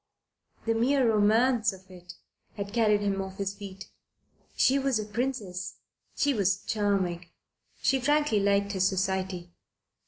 The mere romance of it had carried him off his feet. She was a princess. She was charming. She frankly liked his society.